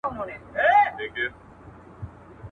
اشتها تر غاښ لاندي ده.